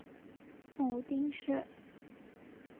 母丁氏。